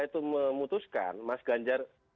itu memutuskan mas ganjar